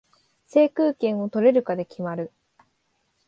制空権を取れるかで決まる